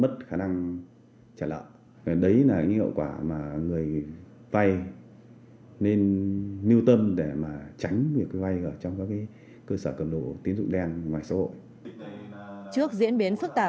chân tay gì nữa